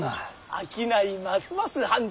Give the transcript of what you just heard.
商いますます繁盛！